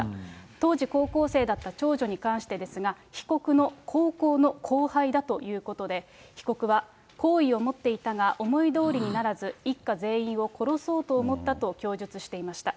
当時高校生だった長女に関してですが、被告の高校の後輩だということで、被告は好意を持っていたが思いどおりにならず、一家全員を殺そうと思ったと供述していました。